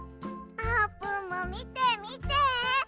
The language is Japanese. あーぷんもみてみて！